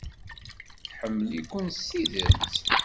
Tḥemmel-iken s tidet.